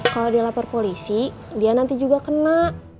kalau dilapor polisi dia nanti juga kena